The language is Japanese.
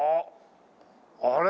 あれ？